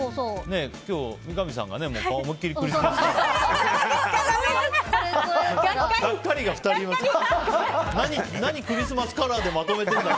今日、三上さんが思いっきりクリスマス仕様。